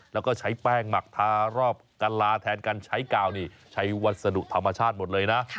แล้วก็ใช้แป้งหมักทารอบกะลาแทนการใช้กาวนี่ใช้วัสดุธรรมชาติหมดเลยนะ